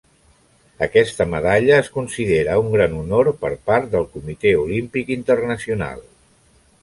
Aquesta medalla es considera un gran honor per part del Comitè Olímpic Internacional.